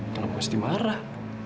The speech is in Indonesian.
kalau pasti marah